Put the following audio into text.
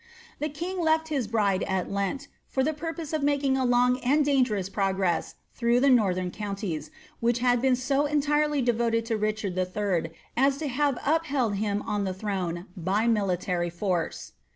The king le his bride at Lent, for the purpose of making a long and dangerous pre gress through the northern counties, which had been so entirely devote to Richard 111. as to have upheld him on the throne by military force.